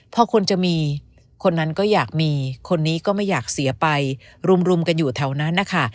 พอคนจะมีคนนั้นก็อยากมีคนนี้ก็ไม่อยากเสียไปรุมกันอยู่แถวนั้นนะคะ